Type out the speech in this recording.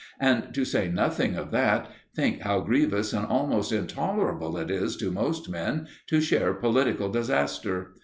And to say nothing of that, think how grievous and almost intolerable it is to most men to share political disaster.